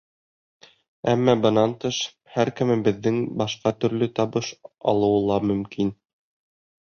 Әммә бынан тыш һәр кемебеҙҙең башҡа төрлө табыш алыуы ла мөмкин.